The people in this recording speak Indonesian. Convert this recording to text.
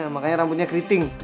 makanya rambutnya keriting